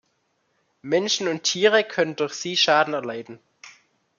Menschen und Tiere können durch sie Schaden erleiden.